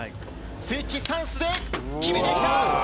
スイッチスタンスで決めてきた！